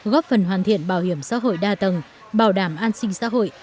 góp phần hoàn thiện bảo hiểm xã hội đa tầng bảo đảm an sinh xã hội